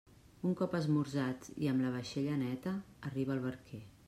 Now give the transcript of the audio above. Un cop esmorzats i amb la vaixella neta, arriba el barquer.